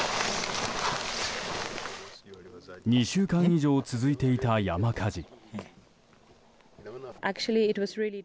２週間以上続いていた山火事。